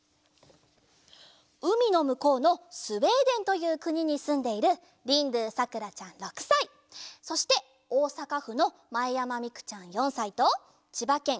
うみのむこうのスウェーデンというくににすんでいるリンドゥさくらちゃん６さいそしておおさかふのまえやまみくちゃん４さいとちばけん